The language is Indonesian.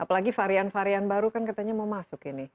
apalagi varian varian baru kan katanya mau masuk ini